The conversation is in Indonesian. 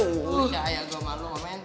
lu bisa ajar gue sama lu om en